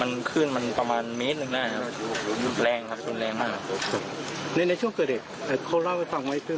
มันขึ้นประมาณเมตรหนึ่งหน้าครับแรงครับสุดแรงมาก